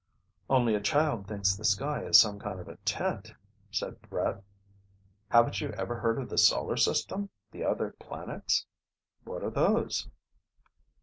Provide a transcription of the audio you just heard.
"Only a child thinks the sky is some kind of tent," said Brett. "Haven't you ever heard of the Solar System, the other planets?" "What are those?"